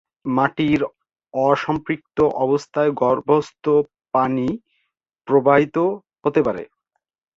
মাটির অসম্পৃক্তাবস্থায় ভূগর্ভস্থ পানি প্রবাহিত হতে পারে।